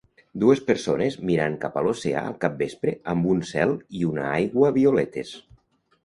Dues persones mirant cap a l'oceà al capvespre amb un cel i una aigua violetes.